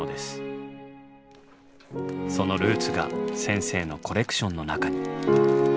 そのルーツが先生のコレクションの中に。